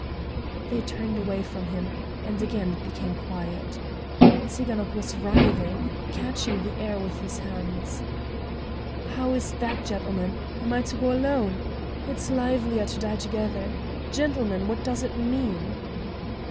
They turned away from him, and again it became quiet. Tsiganok was writhing, catching at the air with his hands. "How is that, gentlemen? Am I to go alone? It's livelier to die together. Gentlemen, what does it mean?"